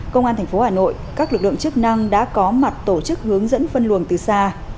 công an tp hà nội các lực lượng chức năng đã có mặt tổ chức hướng dẫn phân luồng từ xa